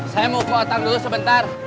saya mau ke otang dulu sebentar